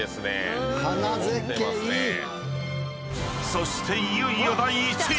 ［そしていよいよ第１位］